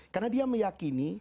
karena dia meyakini